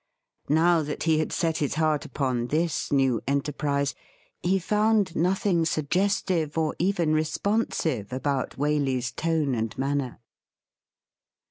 Now that he had set his heart upon this new enterprise, he found nothing suggestive, or even responsive, about Waley's tone and manner.